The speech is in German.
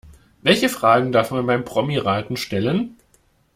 Welche Fragen darf man beim Promiraten stellen?